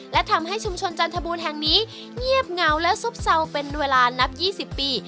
และทำให้ชุมชนจันทบูรณ์แห่งนี้เงียบเหงาและซบเศร้าเป็นเวลานับ๒๐ปี